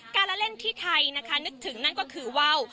การละเล่นที่ไทยนะคะนึกถึงนั่นก็คือว่าว